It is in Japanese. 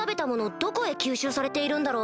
どこへ吸収されているんだろう。